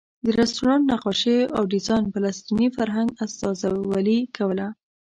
د رسټورانټ نقاشیو او ډیزاین فلسطیني فرهنګ استازولې کوله.